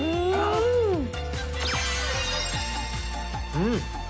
うん！